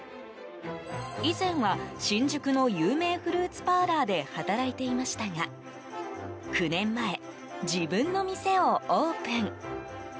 以前は、新宿の有名フルーツパーラーで働いていましたが９年前、自分の店をオープン。